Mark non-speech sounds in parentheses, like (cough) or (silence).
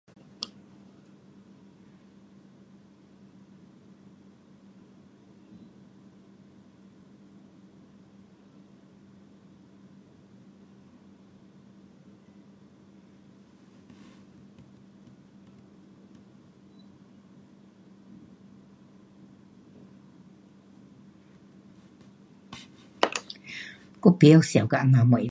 (silence) 我不会想到这样的东西。